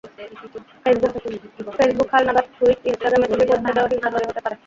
Facebook হালনাগাদ, tweet, ইনস্টাগ্রামে ছবি পোস্ট থেকেও হিংসা তৈরি হতে পারে।